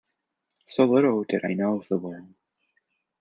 So little did I know of the world!